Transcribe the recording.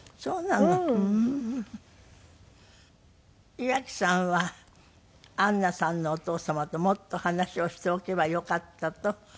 岩城さんはアンナさんのお父様ともっと話をしておけばよかったと今思ってらっしゃる？